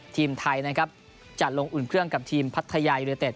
ทีมไทยจัดลงอุ่นเครื่องกับทีมพัทยายุโดยเต็ด